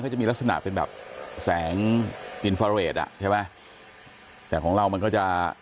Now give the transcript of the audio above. ก็จะมีลักษณะเป็นแหละแสงอินฟาเรทแต่ของเรามันก็จะ